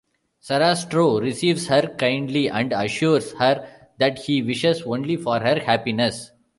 Sarastro receives her kindly and assures her that he wishes only for her happiness.